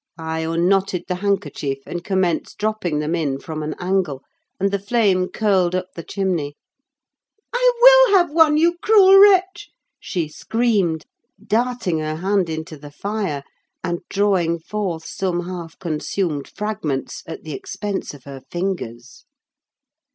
I unknotted the handkerchief, and commenced dropping them in from an angle, and the flame curled up the chimney. "I will have one, you cruel wretch!" she screamed, darting her hand into the fire, and drawing forth some half consumed fragments, at the expense of her fingers.